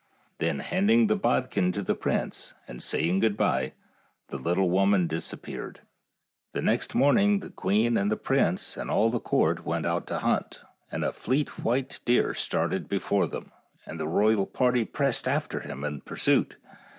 Then handing the bodkin to the prince, and saying good by, the little woman dis appeared. The next morning the queen and the prince and all the court went out to hunt, and a fleet white deer started out before them, and the royal party pressed after him in pursuit.